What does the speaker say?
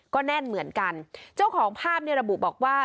ก็แน่นเหมือนกันเจ้าของภาพเนี่ยระบุบอกว่า